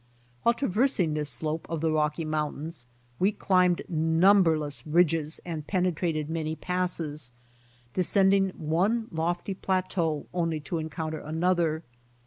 While traversing this slope of the Rocky moun tains we cliinbed numberless ridges and penetrated many passes, descending one lofty plateau only to encounter another.